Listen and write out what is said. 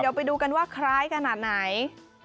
เดี๋ยวไปดูกันว่าคล้ายขนาดไหน